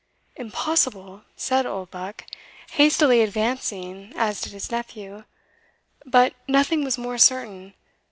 "Impossible," said Oldbuck, hastily advancing, as did his nephew. But nothing was more certain.